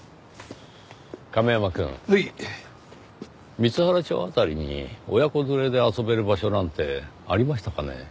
光原町辺りに親子連れで遊べる場所なんてありましたかね？